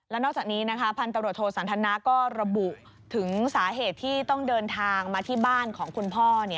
นอกจากนี้นะคะพันตำรวจโทสันทนาก็ระบุถึงสาเหตุที่ต้องเดินทางมาที่บ้านของคุณพ่อ